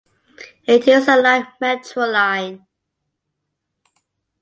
It is a light metro line.